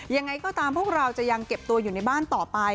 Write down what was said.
ยังไงก็ตามพวกเราจะยังเก็บตัวอยู่ในบ้านต่อไป